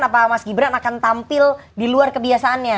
apa mas gibran akan tampil di luar kebiasaannya